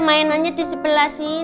mainannya di sebelah sini